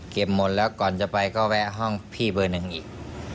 เก็บหมดแล้วก่อนจะไปก็แวะห้องพี่เบอร์๑อีก